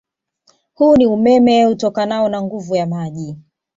Huu ni umeme utokanao na nguvu ya maji